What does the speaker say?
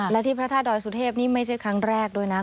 และที่พระธาตุดอยสุเทพนี่ไม่ใช่ครั้งแรกด้วยนะ